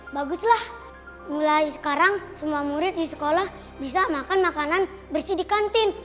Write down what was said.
baguslah mulai sekarang semua murid di sekolah bisa makan makanan bersih di kantin